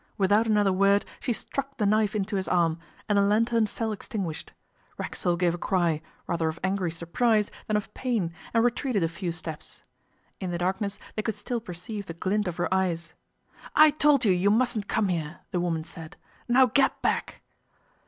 Without another word she struck the knife into his arm, and the lantern fell extinguished. Racksole gave a cry, rather of angry surprise than of pain, and retreated a few steps. In the darkness they could still perceive the glint of her eyes. 'I told you you mustn't come here,' the woman said. 'Now get back.